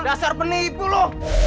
dasar penipu lu